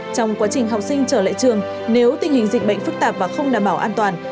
trong quá trình học sinh trở lại trường nếu tình hình dịch bệnh phức tạp và không đảm bảo an toàn